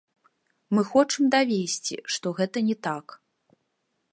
Мы хочам давесці, што гэта не так.